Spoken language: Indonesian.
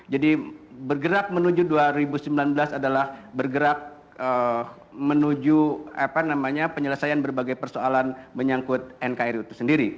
jadi bergerak menuju dua ribu sembilan belas adalah bergerak menuju penyelesaian berbagai persoalan menyangkut nkri itu sendiri